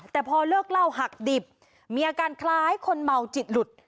แต่พอเลิกเหล้าหักดิบมีอาการคล้ายคนเมาจิตหลุด